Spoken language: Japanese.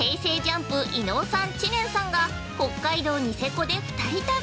ＪＵＭＰ伊野尾さん、知念さんが、北海道ニセコで２人旅。